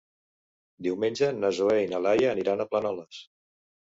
Diumenge na Zoè i na Laia aniran a Planoles.